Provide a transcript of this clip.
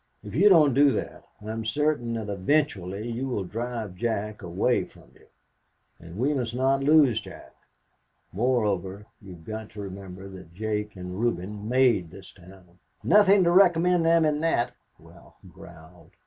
If you don't do that, I am certain that eventually you will drive Jack himself away from you, and we must not lose Jack. Moreover, you have got to remember that Jake and Reuben made this town." "Nothing to recommend them in that," Ralph growled.